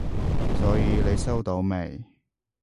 所以你收到未？